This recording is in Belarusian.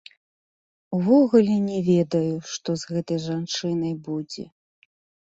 Увогуле не ведаю, што з гэтай жанчынай будзе.